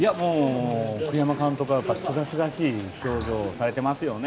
栗山監督はすがすがしい表情をされていますね。